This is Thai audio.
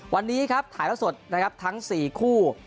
วันนี้ครับถ่ายแล้วสดนะครับทั้ง๔คู่